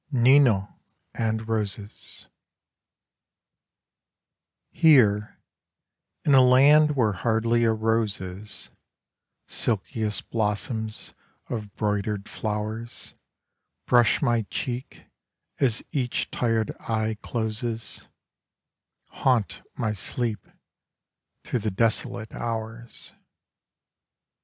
NINON AND ROSES Here, in a land where hardly a rose is, Silkiest blossoms of broidered flowers Brush my cheek as each tired eye closes, Haunt my sleep through the desolate hours.